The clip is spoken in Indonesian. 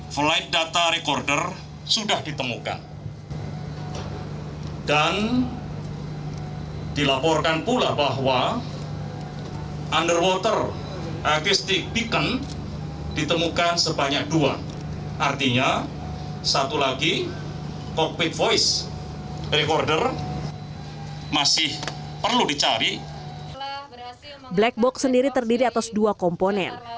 black box sendiri terdiri atas dua komponen